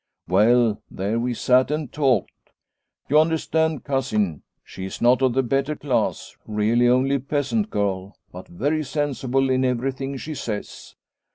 Well, there we sat and talked. You understand, Cousin. She is not of the better class, really only a peasant girl, but very sensible in every thing she says.